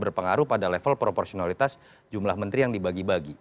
berpengaruh pada level proporsionalitas jumlah menteri yang dibagi bagi